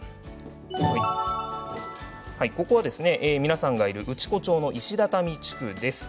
ここは皆さんがいる内子町の石畳地区です。